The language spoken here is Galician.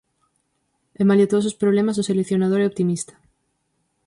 E malia todos os problemas, o seleccionador é optimista.